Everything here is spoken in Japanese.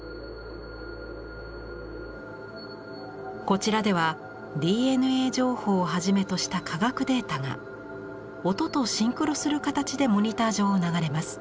こちらではＤＮＡ情報をはじめとした科学データが音とシンクロする形でモニター上を流れます。